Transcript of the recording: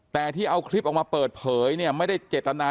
แต่ที่เอาคลิปออกมาเปิดเผยเนี่ย